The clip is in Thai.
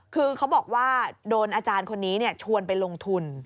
คือเขาบอกว่าโดนอาจารย์คนนี้ชวนไปลงทุน